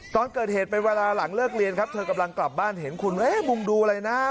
ตอนเกิดเหตุเป็นเวลาหลังเลิกเรียนครับเธอกำลังกลับบ้านเห็นคุณว่ามุ่งดูอะไรนะ